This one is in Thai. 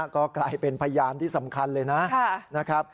ก็กลายเป็นพยานที่สำคัญเลยนะครับ